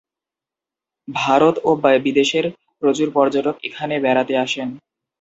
ভারত ও বিদেশের প্রচুর পর্যটক এখানে বেড়াতে আসেন।